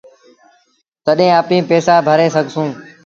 تڏهيݩ اپيٚن پئيٚسآ ڀري سگھسون